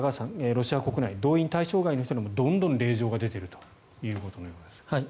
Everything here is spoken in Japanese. ロシア国内、動員対象外の人でもどんどん令状が出ているということのようですが。